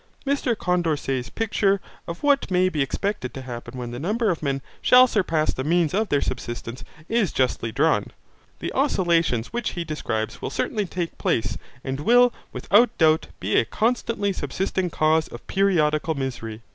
Mr Condorcet's picture of what may be expected to happen when the number of men shall surpass the means of their subsistence is justly drawn. The oscillation which he describes will certainly take place and will without doubt be a constantly subsisting cause of periodical misery.